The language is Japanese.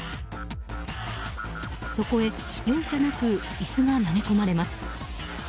そこへ容赦なく椅子が投げ込まれます。